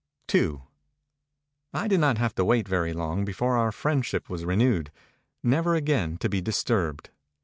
n I DID not have to wait very long before our friendship was renewed, never again to be dis turbed.